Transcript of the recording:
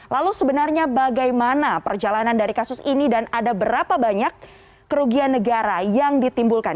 lalu sebenarnya bagaimana perjalanan dari kasus ini dan ada berapa banyak kerugian negara yang ditimbulkan